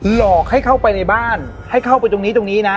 หลอกให้เข้าไปในบ้านให้เข้าไปตรงนี้ตรงนี้นะ